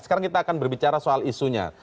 sekarang kita akan berbicara soal isunya